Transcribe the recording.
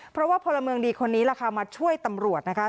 เพราะว่าพลเมืองดีคนนี้ล่ะค่ะมาช่วยตำรวจนะคะ